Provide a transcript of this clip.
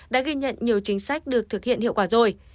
đã ghi nhận nhiều chính sách được thực hiện hiệu quả rồi